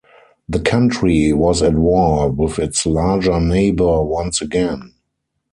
The country was at war with its larger neighbor once again.